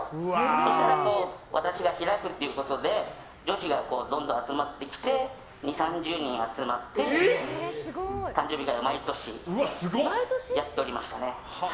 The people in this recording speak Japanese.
そしたら、私が開くということで女子がどんどん集まってきて２０３０人集まって誕生日会を毎年やっておりましたね。